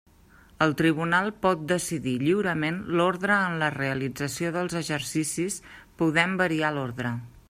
El Tribunal pot decidir lliurement l'ordre en la realització dels exercicis, podent variar l'ordre.